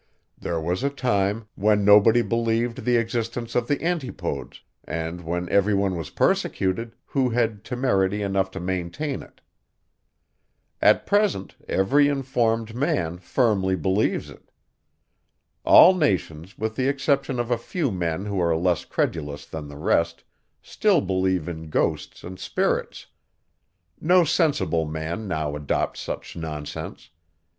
There was a time, when nobody believed the existence of the antipodes, and when every one was persecuted, who had temerity enough to maintain it. At present, every informed man firmly believes it. All nations, with the exception of a few men who are less credulous than the rest, still believe in ghosts and spirits. No sensible man now adopts such nonsense.